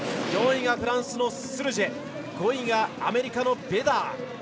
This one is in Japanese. ４位、フランスのスルジェ５位がアメリカのベダー。